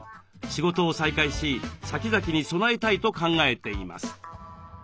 仕事を再開し先々に備えたいと考えています。